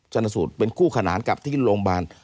ชนสูตรเป็นคู่ขนานกับที่โรงพยาบาล